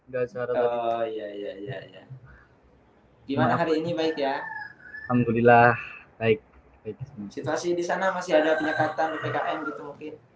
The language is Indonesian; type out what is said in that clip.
gimana hari ini baik ya alhamdulillah baik situasi disana masih ada penyekatan